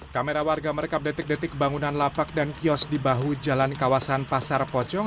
kamera warga merekam detik detik bangunan lapak dan kios di bahu jalan kawasan pasar pocong